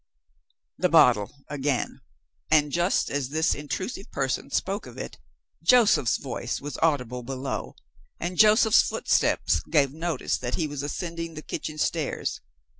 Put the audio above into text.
"The bottle" again! And, just as this intrusive person spoke of it, Joseph's voice was audible below, and Joseph's footsteps gave notice that he was ascending the kitchen stairs.